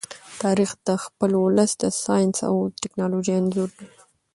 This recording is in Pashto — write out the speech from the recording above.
تاریخ د خپل ولس د ساینس او ټیکنالوژۍ انځور دی.